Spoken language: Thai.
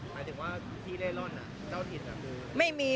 หมายถึงว่าที่เร่ร่อนอ่ะเจ้าถิ่นอ่ะ